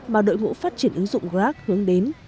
mà đội ngũ phát triển ứng dụng grab hướng đến